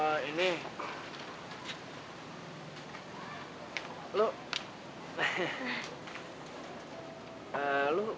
satria bukannya dia cinta banget sama lo